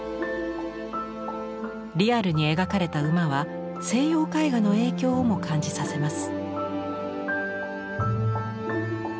リアルに描かれた馬は西洋絵画の影響をも感じさせます。